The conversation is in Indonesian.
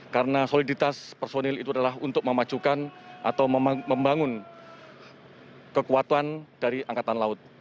karena soliditas personil itu adalah untuk memajukan atau membangun kekuatan dari angkatan laut